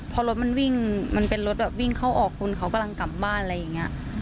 พอรถมันวิ่งมันเป็นรถแบบวิ่งเข้าออกคนเขากำลังกลับบ้านอะไรอย่างนี้